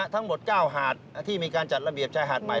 ทั้งหมด๙หาดที่มีการจัดระเบียบชายหาดใหม่